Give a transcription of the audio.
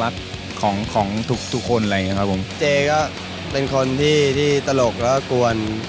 เจ๊ก็เป็นคนที่ที่ตลกและกวน